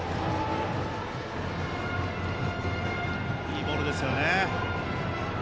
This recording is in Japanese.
いいボールですよね。